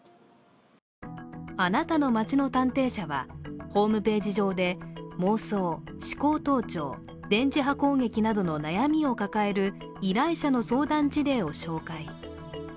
あなたの街の探偵社は、ホームページ上で妄想、思考盗聴、電磁波攻撃などの悩みを抱える依頼者の相談事例を紹介。